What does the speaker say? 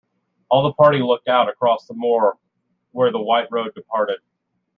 All the party looked out across the moor where the white road departed.